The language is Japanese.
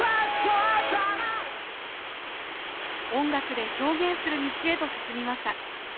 音楽で表現する道へと進みました。